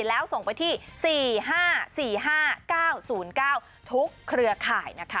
แล้วส่งไปที่๔๕๔๕๙๐๙ทุกเครือข่ายนะคะ